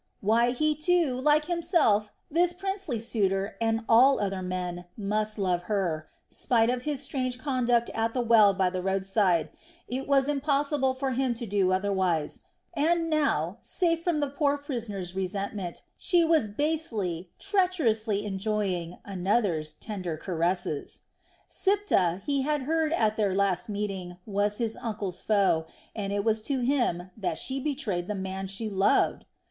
Why, he too, like himself, this princely suitor, and all other men, must love her, spite of his strange conduct at the well by the roadside it was impossible for him to do otherwise and now, safe from the poor prisoner's resentment, she was basely, treacherously enjoying another's tender caresses. Siptah, he had heard at their last meeting, was his uncle's foe, and it was to him that she betrayed the man she loved!